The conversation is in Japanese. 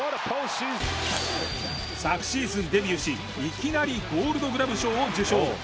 昨シーズンデビューしいきなりゴールドグラブ賞を受賞。